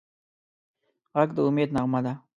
غږ د امید نغمه ده